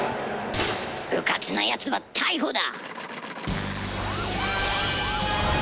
うかつなヤツは逮捕だ！